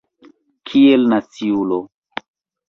Kiel naciulo.